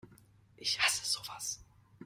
Ich hasse sowas!